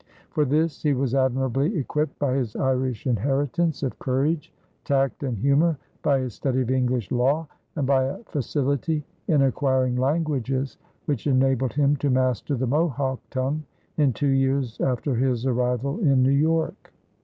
For this he was admirably equipped by his Irish inheritance of courage, tact, and humor, by his study of English law, and by a facility in acquiring languages which enabled him to master the Mohawk tongue in two years after his arrival in New York.